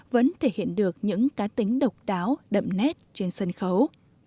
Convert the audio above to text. vẫn thể hiện được những cá tính độc đáo đậm nét trên sân khấu